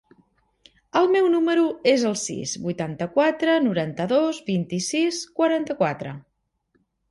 El meu número es el sis, vuitanta-quatre, noranta-dos, vint-i-sis, quaranta-quatre.